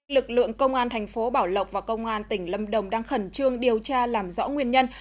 lực lượng công an thành phố bảo lộc và công an tỉnh lâm đồng đang khẩn trương điều tra làm rõ nguyên nhân